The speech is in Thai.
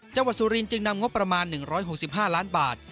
จังหวัดสุรินทร์จึงนำงบประมาณ๑๖๕ล้านบาท